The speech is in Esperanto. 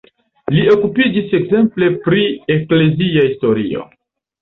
Li okupiĝis ekzemple pri eklezia historio.